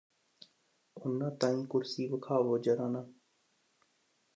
ਓਹਨਾਂ ਤਾਈੰ ਕੁਰਸੀ ਵਿਖਾਵੋ ਜ਼ਰਾ ਨਾ